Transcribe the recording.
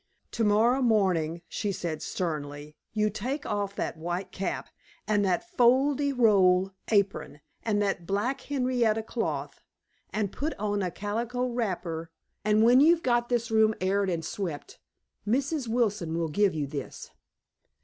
"Tomorrow morning," she said sternly, "You take off that white cap and that fol de rol apron and that black henrietta cloth, and put on a calico wrapper. And when you've got this room aired and swept, Mrs. Wilson will give you this."